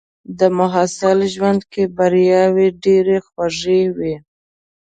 د محصل ژوند کې بریاوې ډېرې خوږې وي.